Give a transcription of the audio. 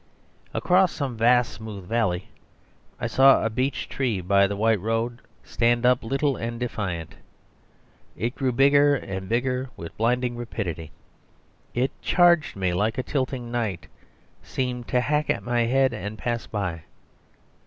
Across some vast, smooth valley I saw a beech tree by the white road stand up little and defiant. It grew bigger and bigger with blinding rapidity. It charged me like a tilting knight, seemed to hack at my head, and pass by.